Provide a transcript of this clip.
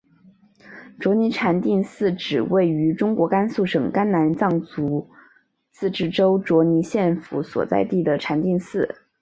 卓尼禅定寺指位于中国甘肃省甘南藏族自治州卓尼县府所在地的禅定寺。